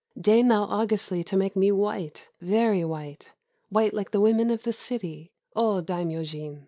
Deign thou augustly to make me white, very white, — white like the women of the city, O Daimyojin!"